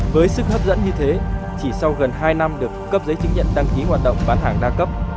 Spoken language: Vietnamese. với sức hấp dẫn như thế chỉ sau gần hai năm được cấp giấy chứng nhận đăng ký hoạt động bán hàng đa cấp